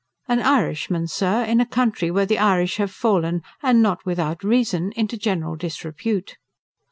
"An Irishman, sir, in a country where the Irish have fallen, and not without reason, into general disrepute."